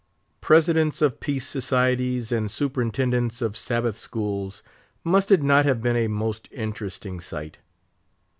Presidents of Peace Societies and Superintendents of Sabbath schools, must it not have been a most interesting sight?